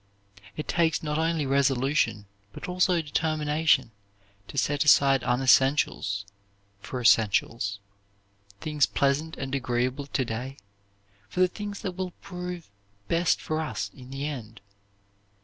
It takes not only resolution but also determination to set aside unessentials for essentials, things pleasant and agreeable to day for the things that will prove best for us in the end.